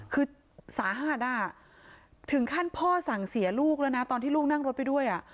คือสาหัสอ่ะถึงขั้นพ่อสั่งเสียลูกแล้วนะตอนที่ลูกนั่งรถไปด้วย